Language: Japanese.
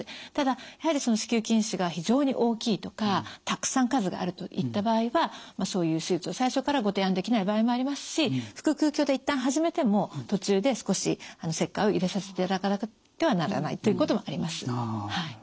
ただやはり子宮筋腫が非常に大きいとかたくさん数があるといった場合はそういう手術を最初からご提案できない場合もありますし腹腔鏡で一旦始めても途中で少し切開を入れさせていただかなければならないということもあります。